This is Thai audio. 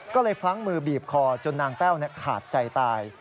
ก็เลยพลั้งมือบีบคอจนนางแต้วขาดใจตาย